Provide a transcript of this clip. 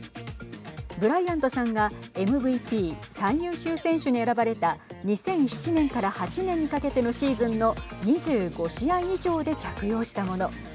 ブライアントさんがＭＶＰ＝最優秀選手に選ばれた２００７年から８年にかけてのシーズンの２５試合以上で着用したもの。